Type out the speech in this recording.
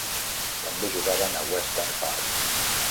També jugaven a Western Park.